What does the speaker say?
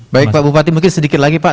baik pak bupati mungkin sedikit lagi pak